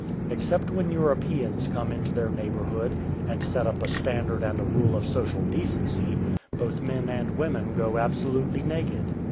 Except when Europeans come into their neighbourhood and set up a standard and a rule of social decency, both men and women go absolutely naked.